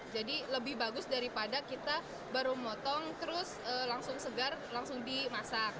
jadi lebih bagus daripada kita baru motong terus langsung segar langsung dimasak